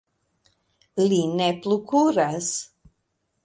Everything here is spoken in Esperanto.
Li ne plu kuras.